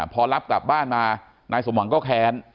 พอรับกลับบ้านมานายสมหวังก็แค้น